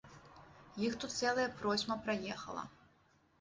Іх тут цэлая процьма праехала.